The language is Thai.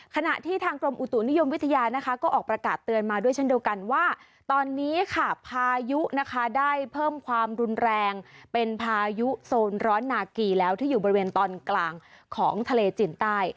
ขณะที่ทางกรมอุตุนิยมวิทยานะคะก็ออกประกาศเตือนมาด้วยเช่นเดียวกันว่าตอนนี้ค่ะพายุนะคะได้เพิ่มความรุนแรงเป็นพายุโซนร้อนนากีแล้วที่อยู่บริเวณตอนกลางของทะเลจีนใต้